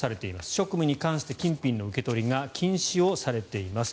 職務に関して金品の受け取りが禁止されています。